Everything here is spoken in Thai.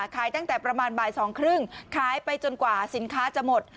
ขายตั้งแต่ประมาณบ่าย๒๓๐ขายไปจนกว่าสินค้าจะหมด